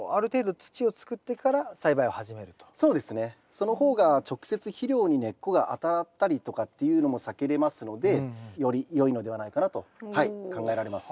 その方が直接肥料に根っこが当たったりとかっていうのも避けれますのでよりよいのではないかなと考えられます。